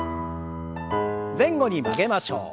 前後に曲げましょう。